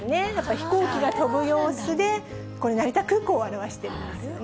飛行機が飛ぶ様子でこれ、成田空港を表してるんですよね。